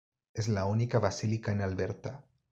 Es la única basílica en Alberta.